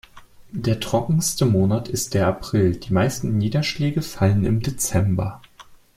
Der trockenste Monat ist der April, die meisten Niederschläge fallen im Dezember.